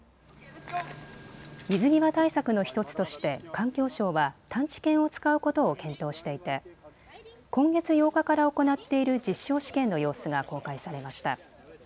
水際対策の１つとして環境庁は探知犬を使うことを検討していて今月８日から行っている実証試験の様子が公開されました。